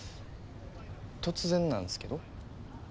突然なんすけど？